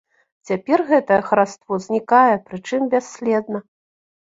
Цяпер гэтае хараство знікае, прычым бясследна.